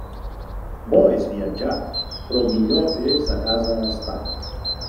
Bo és viatjar, però millor és a casa estar.